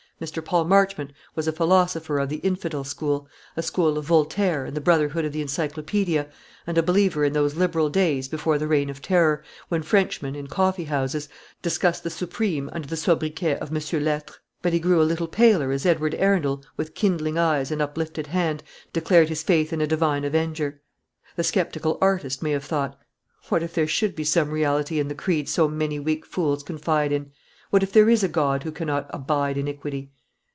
Mr. Paul Marchmont was a philosopher of the infidel school, a student of Voltaire and the brotherhood of the Encyclopedia, and a believer in those liberal days before the Reign of Terror, when Frenchmen, in coffee houses, discussed the Supreme under the soubriquet of Mons. l'Etre; but he grew a little paler as Edward Arundel, with kindling eyes and uplifted hand, declared his faith in a Divine Avenger. The sceptical artist may have thought, "What if there should be some reality in the creed so many weak fools confide in? What if there is a God who cannot abide iniquity?"